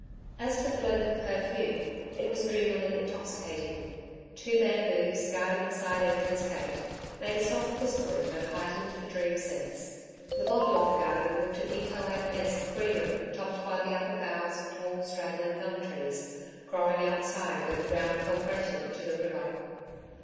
As for the blend of perfume, it was dreamily intoxicating. Two bamboos, guarding the side entrance gate, made a soft whispering that heightened the dream sense. The bottom of the garden looked an inchoate mass of greenery topped by the upper boughs of tall straggling gum trees, growing outside where the ground fell gradually to the river.